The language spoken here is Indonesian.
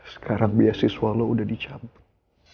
sekarang beasiswa lo udah dicampur